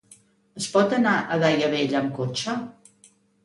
Es pot anar a Daia Vella amb cotxe?